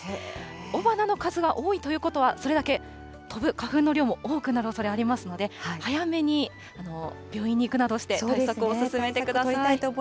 雄花の数が多いということは、それだけ飛ぶ花粉の量も多くなる可能性もありますので、早めに病院に行くなどして対策を進めてください。